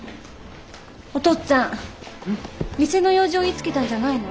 おとっつぁん店の用事を言いつけたんじゃないの？